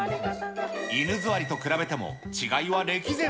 犬座りと比べても、違いは歴然。